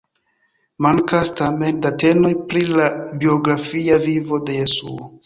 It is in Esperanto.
Mankas, tamen, datenoj pri la biografia vivo de Jesuo.